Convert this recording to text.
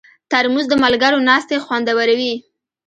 ترموز د ملګرو ناستې خوندوروي.